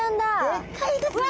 でっかいですね。